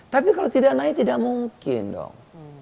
tapi kalau tidak naik tidak mungkin dong